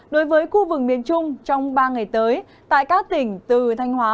đối với khu vực miền trung trong ba ngày tới tại các tỉnh từ thanh hóa